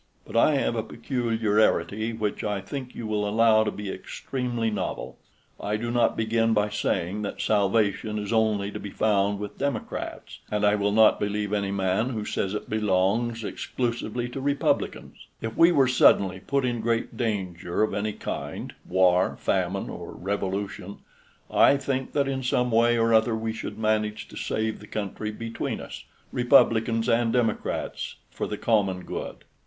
But I have a peculiarity which I think you will allow to be extremely novel. I do not begin by saying that salvation is only to be found with Democrats, and I will not believe any man who says it belongs exclusively to Republicans. If we were suddenly put in great danger of any kind, war, famine, or revolution, I think that in some way or other we should manage to save the country between us, Republicans and Democrats, for the common good."